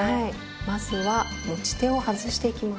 まずは持ち手を外していきます。